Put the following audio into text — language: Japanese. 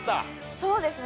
そうですね。